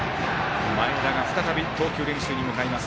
前田が再び投球練習を行います。